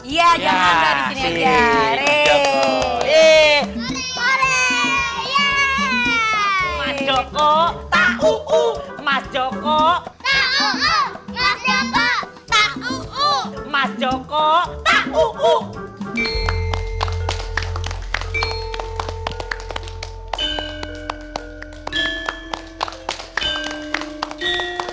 iya jangan jangan disini aja